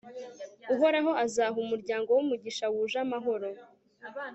uhoraho azaha umuryango we umugisha wuje amahoro